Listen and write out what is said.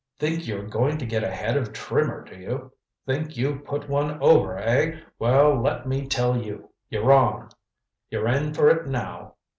Think you're going to get ahead of Trimmer, do you? Think you've put one over, eh? Well let me tell you, you're wrong. You're in for it now.